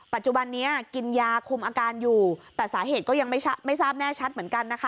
ปัจจุบันนี้กินยาคุมอาการอยู่แต่สาเหตุก็ยังไม่ทราบแน่ชัดเหมือนกันนะคะ